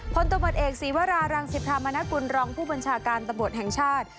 ผลตมติเอกศีวรารังศิพธามณกุลรองค์ผู้บัญชาการตะบดแห่งชาติ